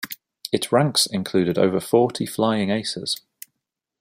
Its ranks included over forty flying aces.